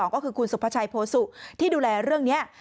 ก็คือคุณสุภาชัยโพสุที่ดูแลเรื่องนี้